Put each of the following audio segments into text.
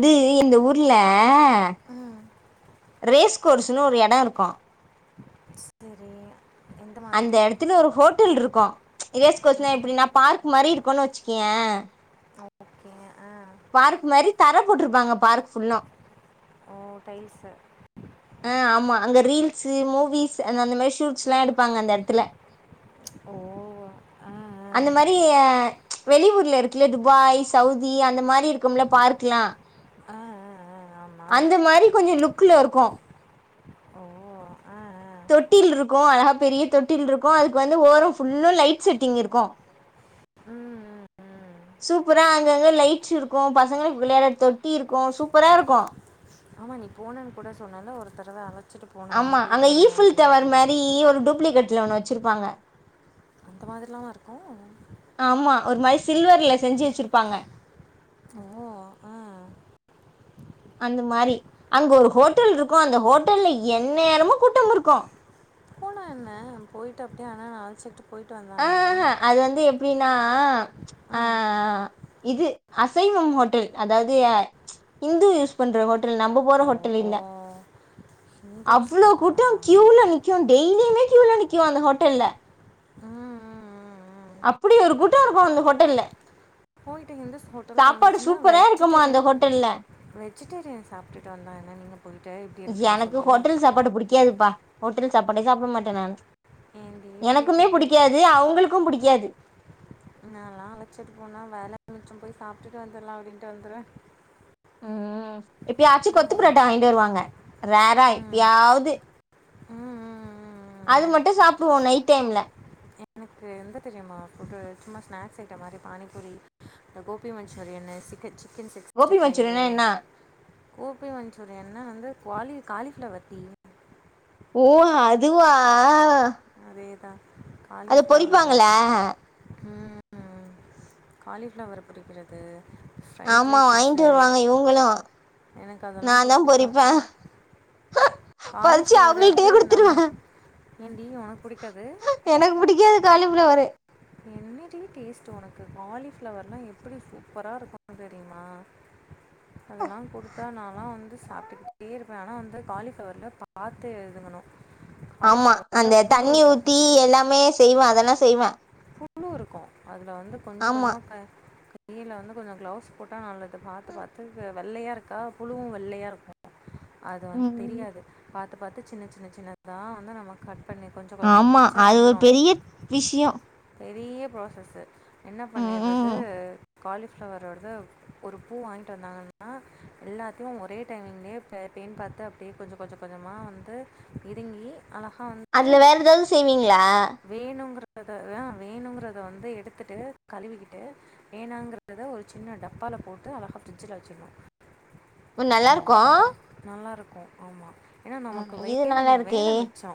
ந்து இந்த ஊர்ல ம் ரேஸ் கோர்சுன்னு ஒரு எடொ இருக்கு. சேரி அந்த எடத்துல ஒரு ஹோட்டல் இருக்கு. ரேஸ்கோசுனா ம் எப்டினா பார்க் மாரி இருக்குனு வச்சு கியே ஓகே ஆ பார்க் மாரி தர போட்ருப்பாங்க. பார்க் ஃபுல்லு ஓ டைல்ஸு ஆ ஆமா அங்க ரீல்ஸு மூவிஸ் அந்த அந்த மாரி ஷூட்ஸ்ல்லா எடுப்பாங்க அந்த எடத்துல ஓ ஆ அந்த மாரி அ வெளிவூர்ல இருக்குல துபாய் சவுதி அந்த மாரி இருக்கும்ல பார்க்லா ஆ ஆ ஆமாம் அந்த மாரி கொஞ்சோ லுக்ல இருக்கு. ஓ ஆ ஆ ம் தொட்டில் இருக்கு அழகா பெரிய தொட்டில் இருக்கு. அதுக்கு வந்து ஓரோ ஃபுல்லு லைட் செட்டிங் இருக்கு. ம், ம் சூப்பரா அங்க அங்க லைட்ஸ் இருக்கூ, பசங்களுக்கு விளையாட தொட்டி இருக்கூ, சூப்பரா இருக்கூ ஆமா நீ போனனு கூட சொன்னலே ஒருத்தரவ அழ ஆமா அங்க ஈஃபில் டவர் மாரீ ஒரு டூப்ளிகேட்ல ஒண்ணு வச்சுருப்பாங்க. அந்த மாதிரிலாமா இருக்கூ. ஆமா ஒரு மாரி சில்வர்ல செஞ்சு வச்சுருப்பாங்க. ஓ ஆ அந்த மாரி அங்க ஒரு ஹோட்டல் இருக்கூ அந்த ஹோட்டல்ல என் நேரமு கூட்டமிருக்கு. போனா என்ன போய்ட்டு அப்டியே அண்ணன அழச்சுட்டு ஆ ஆஹ அது வந்து எப்டீன்னா ஆ இது அசைவம் ஹோட்டல் அதாவது இந்து யூஸ் பண்ற ஹோட்டல் நம்ம போற ஆ ஹோட்டல் இல்ல. ஓ இந்தூஸ் அவ்ளோ கூட்டோ ஹோட்டலா க்யூல நிக்கு டெய்லியுமே கியூல நிக்கு அந்த ஹோட்டெல்ல அப்டி ஒரு கூட்டோ இருக்கு அந்த ஹோட்டெல்ல போயிட்டு ஹிந்துஸ் ஹோட்டலா இருந்துச்சுன்னா அந்த வெஜ்டேரியன் ஹோட்டல்ல வெஜிடேரியன் சாப்ட்டுட்டு வந்தாங்க நீங்க பொயி எனக்கு ஹோட்டல் சாப்பாடு புடிக்காதுப்பா ஹோட்டல் சாப்பாடே சாப்ட மாட்டே நானு ஏந்தி இப்படி எனக்குமே இருக்கு புடிக்காது அவுங்களுக்கு புடிக்காது நாலா அழச்சிட்டு போனா வேல மிச்சம் போய் சாப்டுட்டு வந்துட்லா அப்டின்ட்டு வந்துருவே ம் எப்பயாச்சு கொத்து புரோட்டா வாங்கிட்டு வருவாங்க ரேரா ம் எப்பயாவ்து ம், ம், அது ம். மட்டு சாப்டுவோ நைட் டைம்ல எனக்கு எந்த தெரிமா ஃபுட்டு சும்மா ஸ்நாக்ஸ் ஐட்டோ மாரி பானிபூரி இந்த கோபி மஞ்சூரியனு சிக்க சிக்கன் சிக்ஸ்டி கோபி ஃபைவு மஞ்சூரியனா என்ன கோப்பி மன்சூரியன்னா வந்து குவாலி காலிஃப்ளவர் டீ ஓ அதுவா அதே தான் அத பொறிப்பாங்களா ம் காலிஃப்ளவர் பொரிக்கறது ஆமா வாங்கிட்டு வருவாங்க இவுங்ளு எனக்கு நா அதெல்லாம் தா பிடிக்கும் பொறிப்பே ஃபர்ஸ்ட் காலிஃப்ளவர் அவங்கள்ட்டே அது நம் குடுத்துருவே ஏன்டி ஒனக்கு எனக்கு புடிக்காது காலிஃப்ளவரு என்னடி டேஸ்ட்டு ஒனக்கு காலிஃப்ளவர்லா எப்டி சூப்பராக இருக்குனு தெரியுமா அதெல்லா குடுத்தா நாலா வந்து சாப்டுட்டே இருப்பே ஆனா வந்து காலிஃப்ளவர்ல பாத்து இதுங்கனு ஆமா அந்த தண்ணி ஊத்தி எல்லாமே செய்வா அதெல்லா செய்வா புழு இருக்கு அதுல வந்து கொஞ்ச ஆமா கொஞ்சமா வெயில வந்து கொஞ்சோ கிளவ்ஸ் போட்டா நல்லது பாத்து பாத்து வெள்ளையா இருக்கா புழுவு வெள்ளையா இருக்கு அது வந்து ம் தெரியாது பாத்து பாத்து சின்ன சின்ன சின்னதா வந்து நம்ப கட் பண்ணி கொஞ்சோ அத ஆமா பிச்சா அது ஒரு வந்துரு பெரிய விஷயம் பெரிய ப்ராசஸ்சு என்ன ம் ம் பண்ணிறது காலிஃப்ளவரோடத ஒரு பூ வாங்கிட்டு வந்தாங்கன்னா எல்லாத்தையு ஒரே டைமிங்லே பேன் பாத்து அப்டியே கொஞ்ச கொஞ்ச கொஞ்சமா வந்து பிதுங்கி அதுல வேற எதாது செய்வீங்ளா அத வேணுங்கறத வந்து எடுத்துட்டு கழுவிக்கிட்டு வேணாங்கறத ஒரு சின்ன டப்பா ல போட்டு அழகா ப்ரிட்ஜில வச்சிர்னு உ நல்லாருக்கு நல்லாயிருக்கு ஆமா ஏனா நமக்கு இது வேல நல்லா இருக்கே வேல மிச்சோ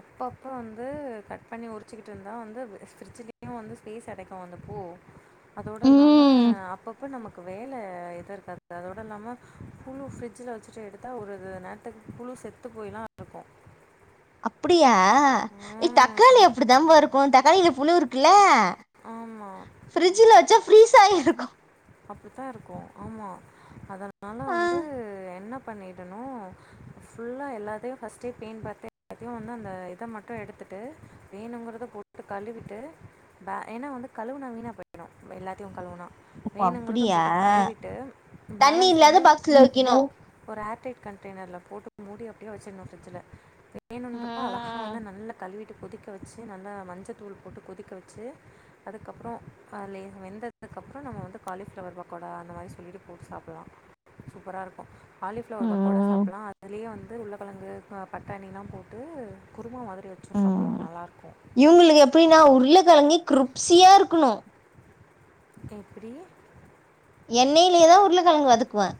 அப்பப்ப வந்து கட் பண்ணி உரிச்சிக்கிட்டு இருந்தா வந்து ஃபிரிட்ஜிலியு வந்து ஸ்பேஸ் அடைக்கு அந்த பூ அதோட இல்லாம ம் அப்பப்ப நமக்கு வேல எது இருக்காது அதோட இல்லாம புழு ஃப்ரிட்ஜில வச்சுட்டு எடுத்தா ஒரு ஒரு நேரத்துக்கு புழு செத்து போய்லா இருக்கு அப்டியா ஏ தக்காளி அப்டிதா பா இருக்கு தக்காளியில புழு இருக்குல்ல ஆமாம் ஃப்ரிட்ஜ்ல வச்சா ஃப்ரீஸ் ஆயிருக்கு அப்டித்தா இருக்கு ஆமா அதனா ஆ, வந்து என்ன பண்ணிடனு ஃபுல்லா எல்லாத்தையு ஃபர்ஸ்ட்டே பேன் பாத்தே வந்து அந்த இத மட்டு எடுத்து ட்டு வேணுங்கிறத போட்டு கழுவிட்டு ஏனா வந்து கழுவுனா வீணா பொயிடு எல்லாத்தயு கழுவுனா ஓ, வேணுங்கறத அப்படியா போட்டு கழுவிட்டு தண்ணி பேலன்ஸ் இல்லாத வந்து பாக்ஸ்ல ம் வைக்கணும் ஒரு ஏ ர் டைட் கண்டெயினர்ல போட்டு மூடி அப்டியே வச்சுர்னு ஃபிரிட்ஜில வேனுன்றப்ப அழகா ம் வந்து நல்லா கழுவி கொதிக்க வச்சி நல்லா மஞ்சத்தூள் போட்டு கொதிக்க வச் சி அதுக்கப்றோ அதுல வெந்ததுக்கப்றோ நம்ப வந்து காலிஃப்ளவர் பக்கோடா அந்த மாரி சொல்லிட்டு போட்டு சாப்பலா சூப்பரா இருக்கு காலிஃப்ளவர் பக்கோடா ம் சாப்டலாம் அதுலயே வந்து உள்ளக்கெழங்கு பட்டாணிலாம் போட்டு குருமா மாதிரி வச்சும் உம் சாப்பிட்லாம் நல்லாயிருக்கும் இவங்களுக்கு எப்படின்னா உருளை கிழங்கே கிருப்சியா இருக்கணும் எப்படி எண்ணெய்லே தா உருளைக்கழங்கு வதக்குவே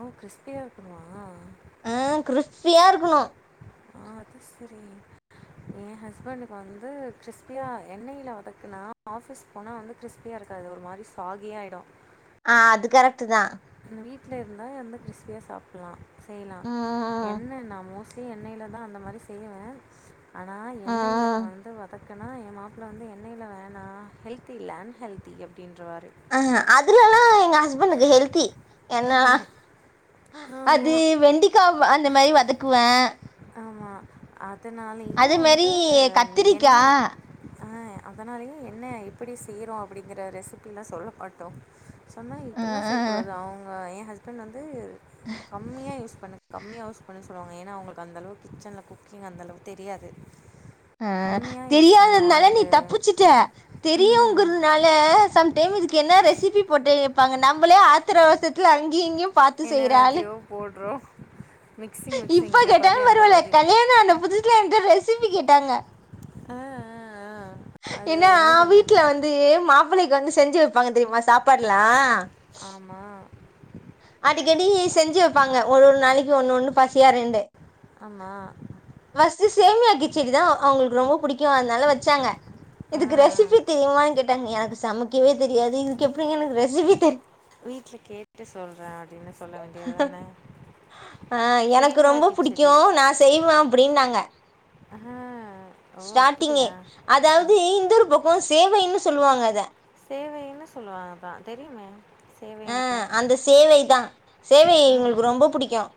ஓ கிருப்சியா இருக்குமா அ கிருப்ஸியா இருக்கணு ஆ அது சரி என் ஹஸ்பண்ட்க்கு வந்து கிருப்சியா எண்னெ ல்ல வதுக்கு நா ஆஃபீஸ் போனா வந்து கிறிஸ்பியாக இருக்காது ஒரு மாதிரி சாகிய ஆகிடும் ஆ அது கரெக்ட் தா வீட்ல இருந்தா வந்து கிறிஸ்பியா சாப்பிடலாம் செய்யலாம் ம் என்ன நா மோஸ் லி எண்ணெய்ல தா அந்த மாரி செய்வே ஆனா எண்ணெய்ல ம் வந்து வதக் கனா என் மாப்பிளை வந்து எண்ணெயில வேணா ஹெல்தி இல்ல அன்ஹெல்தி அப்படி அ அதுலெல்லாம் எங்க ஹஸ்பண்டக்கு ஹெல்தி எண்ணல்லா அது ஆமா. வெண்டிக்கா அந்த மாதிரி வதக்குவே ஆமா. அதனாலேயே வந்து எண்ணெ கத்திரிக்காய் அதனாலயே என்ன எப்படி செய்கிறோம் அப்படிங்கிற ரெசிப்பிலாம் சொல்ல மாட்டோ சொன்னால் ம், இப்படிலாம் ம், செய்யக்கூடாது அவங்க என் ஹஸ்பண்ட் வந்து கம்மியாக யூஸ் பண்ண பண்ண கம்மிய யவுஸ் பண்ண சொல்லுவாங்க ஏன்னா அவங்களுக்கு அந்த அளவுக்கு கிச்சனில் குக்கிங் அந்த அளவு தெரியாது அ கம்மியா யூஸ் பண்ணு தெரியாதனால நீ ஆயிலு. தப்பிச்சு ட்ட ம். தெரியுங்கிறதுனால சம் டைம் இதுக்கு என்ன ரெசிபி போட்டுப்பாங்க நம்மளே ஆத்த ரதுலா அவச அங்கிங் இங்கும் என்னதாத்தியோ போடுறோ இப்ப கேட்டாலும் அங்க பரவால பாதி. கல்யாணம் அந்த புதுசுல என்கிட்ட ரெசிபி கேட்டாங்க ஆ ஆ ஆ அது ஏனா என்ன சொன்னேன்? வீட்டுல வந்து மாப்பளைக்கு வந்து செஞ்சு வைப்பாங்க தெரியுமா சாப்பாடுலா ஆமா அது ஒன்னு ஒண்ணு பசியா ரெண்டு ஆமா ஃபர்ஸ்ட் சேமியா கிச்சேடி தா அவங்களுக்கு ரொம்ப பிடிக்கும் அதனால வச்சாங்க ஆ இதுக்கு ரெசிபி தெரியு மாகே ட்டாங்க எனக்கு சமைக்கவே தெரியாது இதுக்கு எப்படிங்க எனக்கு ரெசிபி தெரிய வீட்ல கேட்டு சொல்றே அப்படின்னு சொல்ல வேண்டியது தானே அ எனக்கு சேமியா ரொம்ப கிச்சடி பிடிக்கும் நா செய்வ அப்படின்னாங்க ஆ ஓ ஸ்டார்டிங் அப்படியா ஆ, அதாவது இந்தொரு பக்கம் சேவைன்னு சொல்லுவாங்க அத சேவைன்னு சொல்லுவாங்கதா தெரியுமே அ சேவைன்னு அந்த சேவைதா சேவை ஆ இங்களுக்கு ரொம்ப புடிக்கும்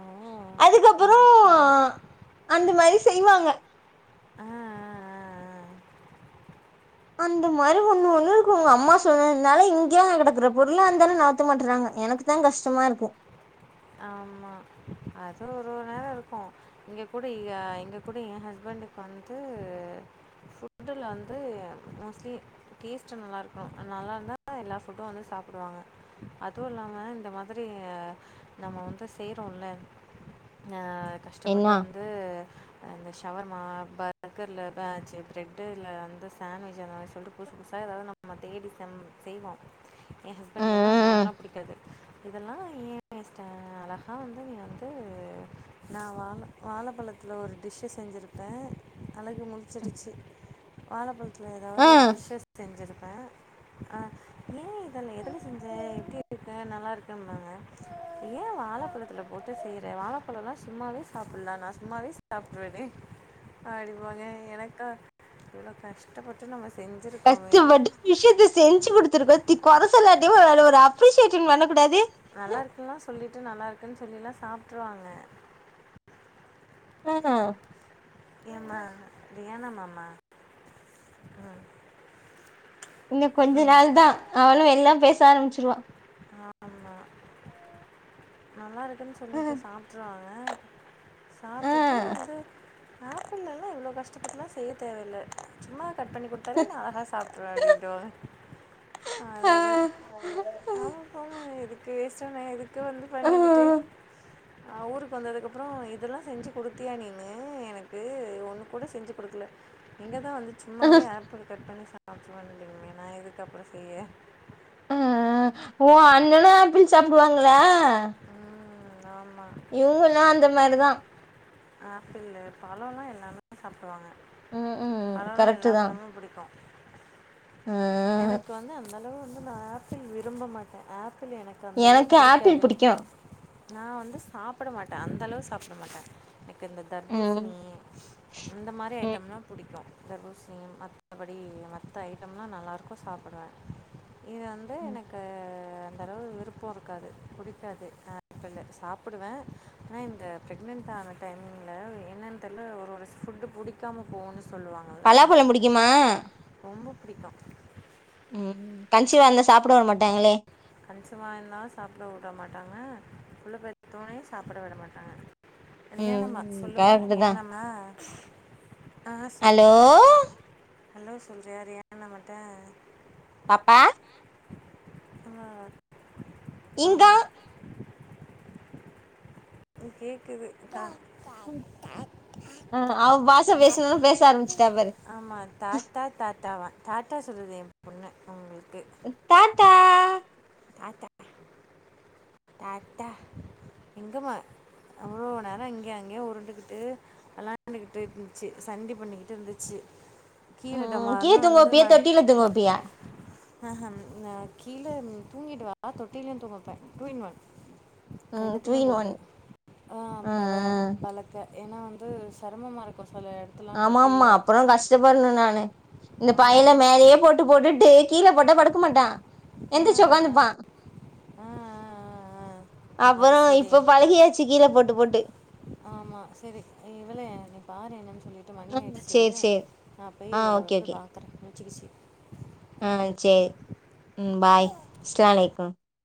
ஓ அது அதுக்கப்புறம் சரி அந்த மாதிரி செய்வாங்க ஆ ஆ ஆ அந்த மாதிரி ஒண்ணு ஒண்ணு இருக்கும் உங்க அம்மா சொன்னதுனால இங்கய கிடக்குற பொருளா இருந்தாலும் அந்தண நாத்து மாட்டறாங்க எனக்கு தா கஷ்டமா இருக்கு ஆமா அது ஒரு நேரம் இருக்கும் இங்க கூட இங்க கூட என் ஹஸ்பண்ட் ஹஸ்பண்டுக்கு வந்து ஃபுட்ல்ல வந்து மோஸ்ட்லி டேஸ்ட்டு நல்லா இருக்கணும் நல்லா இருந்தா எல்லா ஃபுட்டும் வந்து சாப்பிடுவாங்க அதுவும் இல்லாமல் இந்த மாதிரி நம்ம வந்து செய்றோல கஷ்டப்பட்டு என்னா வந்து அந்த ஷவர்மா பர்கர்ல எதச்சு பிர்ட் இல் அந்த சாண்ட்விச் அந்த மாதிரி சொல்லிட்டு புதுசு புதுசா ஏதாவது நம்ம தேடி செய்வோ எ ஹஸ்பண்டக்கு வந்து அந்த மாதிரி ம் எல்லாம் பிடிக்காது இதெல்லாம் ஏ அழகா வந்து நீ வந்து நா வாழ வாழப்பழத்தில் ஒரு டிஷ் செஞ்சுருப்பேன் அழகு முழிச்சிருச்சு வாழப்பழ வீட்ல ஏதாவது ஒரு ம் [inaudible] செஞ்சிருப்பே ஏ இத எதுல செஞ்ச எப்டி இருக்க நல்லாருக்கேம்பாங்க எ வாழப்பழத்துல போட்டு செய்ற வாழப்பழலா சும்மாவே சாப்புல்லா நா சும்மாவே சாப்ட்றுவேனே அப்டிம்பாங்க எனக்கா இவ்ளோ கஷ்டப்பட்டு நம்ம செஞ்சுருக்கோமே கஷ்டப்பட்டு விஷ்யத்த செஞ்சு குடுத்துருக்கோ தி கொர சொல்லாட்டியு ஒரு ஒரு அப்ரிஷ் அப்ரிஷேஷன் பண்ணக்கூடாது நல்லா இருக்குன்லா சொல்லிட்டு நல்லா இருக்குன்னு சொல்லிலா சாப்ட்ருவாங்க ஆ [unintelligible] ஏ நமம ம் இன்னு கொஞ்ச நாள் தா அவனு எல்லா பேச ஆரம்பிச்சிருவா ஆமா நல்லா இருக்குன்னு ஆ சொல்லிட்டு சாப்ட்றா ஆ சாப்டுட்டு வந்து ஆப்பிள் எல்லா இவ்ளோ கஷ்டப்பட்டுலா செய்ய தேவயில்ல சும்மா கட் பண்ணி குடுத்தாலே நா அழகா சாப்ட்றுவே அப்டின்டுவாங்க ஆ அதோட ஆமாம் போங்க எதுக்கு வேஸ்டா நா எதுக்கு வந்து ஆ ஆ பண்ணிக்கிட்டு அ ஊருக்கு வந்ததுக்கப்பறோ இதெல்லா செஞ்சு குடுத்தியா நீனு எனக்கு ஒண்ணு கூட செஞ்சு குடுக்கல எங்க நீங்க தா வந்து சும்மாவே ஆப்பிள் கட் பண்ணி [unintelligible] நா எதுக்கு அப்பறோ செய்ய ஆ ஓ அண்ணன்னா ஆப்பிள் சாப்டுவாங்களா ஆமாம் இவுங்கல்லா அந்த மாரிதா ஆப்பிளு பழோலா எல்லாமே சாப்டுவாங்க ம் ம் பழோலா கரெக்ட்டு எல்லா தா பழமு பிடிக்கு ஆ எனக்கு வந்து அந்த அளவு வந்து நா ஆப்பிள் விரும்ப மாட்டே ஆப்பிள் எனக்கு அந்த அளவுக் ஆப்பிள் புடிக்கு நா வந்து சாப்ட மாட்டே அந்த அளவு சாப்ட மாட்டே எனக்கு இந்த ம் தர்பூசணி அந்த மாரி ம் ஐட்டம்லா புடிக்கு தர்பூஷ்ணி மத்தபடி மத்த ஐட்டம்லா நல்லாருக்கு சாப்டுவே இது வந்து ம் எனக்கு அந்த அளவு விருப்போ இருக் காது புடிக்காது ஆப்பிளு சாப்டுவே ஆனா இந்த ப்ரெக்னன்ட் ஆன டைமிங்ல [unintelligible] என்னன்னு தெர்ல ஒரு ஒரு ஃபுட் புடிக்காம போகுணு பலாப்பழம் புடிக்குமா புடிக்கு ம் கன்சிவா இருந்தா சாப்ட விட மாட்டாங்களே [unintelligible] வுட மாட்டாங்க புள்ள பெத்தோனே சாப்ட விட மாட்டாங்க கல்யாணம்மா ம் சொல்லுமா கரெக்ட்டு தா ரியாணமா ஆ சொல்லு ஹலோ ஹலோ சொல்கிறியா ரியானா அம்மாட்ட பாப்பா ஆமா இங்கா ஆமா கேக்குது தா ம் ம் அவ பாஷ பேசவு பேச ஆரம்புச்சுட்டா பாரு டாட்டா சொல்லுது எ பொண்ணு ஒங்களுக் தாட்டா ஆத்தா தாட்டா எங்கம்மா அவ்ளோ நேரோ இங்கயு அங்கயு உருண்டுகிட்டு வெளாண்டுகிட்டு இருந்துச்சு சண்டி பண்ணிக்கிட்டு இருந்துச்சு கீழே ம் கீழ டமார்னு தூங்க வப்பியா தொட்டில தூங்க வப்பியா ஆஹ நா கீழ தூங்கிடுவா நா தொட்டிலயு தூங்க வப்பே டூ இன் ஒன் ம் டூ ரெண்டத்லயு இன் போட்டு ஒன் ஆ பர பழக்க ஏன்னா வந்து செரமமா இருக்கு ஆமாமா அப்பறோ கஷ்டப்படணு நானு இந்த பையல ஆமாம் மேலயே போட்டு போட்டு டே கீழ போட்டா படுக்க மாட்டா எந்திர்ச்சு உக்காந்து பா ஆஹ் ஆஹ் ஆஹ் அப்பறோ இப்ப பழஹியாச்சு கீழ போட்டு போட்டு ஆமா செரி இ இவளே நீ பாருன் னன் சொல்லிட்டு மணி ம் ஆயிடுச்சு சேரி சேரி நான போய் ஆ இவள வந்து பாக்கறே முழிச்சுகிச்சு ஆஹ் சே ம் பாய் இஸ்லாலைக்கு